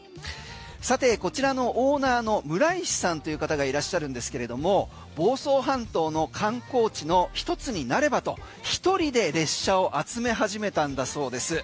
さて、こちらのオーナーの村石さんという方がいらっしゃるんですけれども房総半島の観光地の１つになればと１人で列車を集め始めたんだそうです。